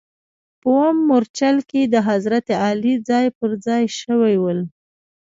په اووم مورچل کې د حضرت علي ځاې پر ځا ې شوي ول.